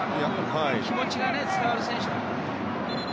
気持ちが伝わる選手。